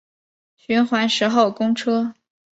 循环十号公车